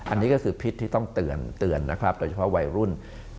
อันนี้ก็คือพิษที่ต้องเตือนนะครับโดยเฉพาะวัยรุ่น